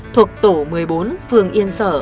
thuộc tổ một mươi bốn phường yên sở